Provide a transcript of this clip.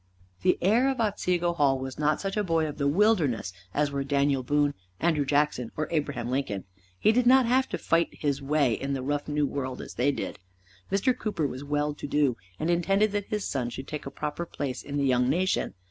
The heir of Otsego Hall was not such a boy of the wilderness as were Daniel Boone, Andrew Jackson or Abraham Lincoln. He did not have to fight his way in the rough new world as they did. Mr. Cooper was well to do, and intended that his son should take a proper place in the young nation.